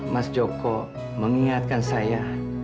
mas joko mengingatkan saya